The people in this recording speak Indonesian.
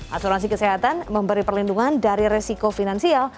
asuransi kesehatan memberi perlindungan dari resiko finansial